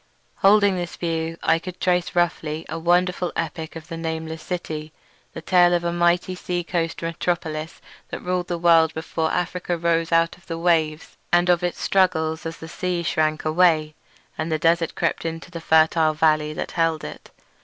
Holding this view, I thought I could trace roughly a wonderful epic of the nameless city; the tale of a mighty sea coast metropolis that ruled the world before Africa rose out of the waves, and of its struggles as the sea shrank away, and the desert crept into the fertile valley that held it.